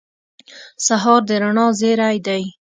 سهار د رڼا زېری دی.